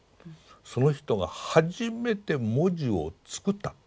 その人が初めて文字を作った。